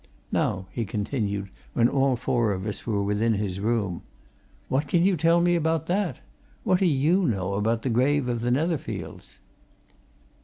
Now," he continued, when all four of us were within his room. "What can you tell me about that? What do you know about the grave of the Netherfields?"